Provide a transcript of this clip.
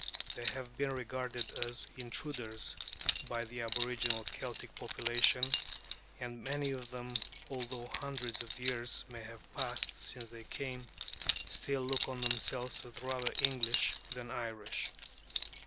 They have been regarded as intruders by the aboriginal Celtic population, and many of them, although hundreds of years may have passed since they came, still look on themselves as rather English than Irish.